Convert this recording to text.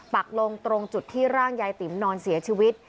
ปักลงตรงจุดที่ร่างยายติ๋มนอนเสียชีวิต